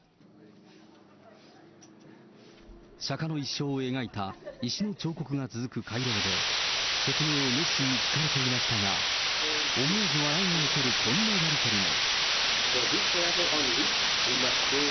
釈迦の一生を描いた石の彫刻が続く回廊で、説明を熱心に聞かれていましたが、思わず笑いが起こるこんなやり取りも。